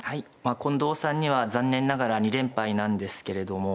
近藤さんには残念ながら２連敗なんですけれども。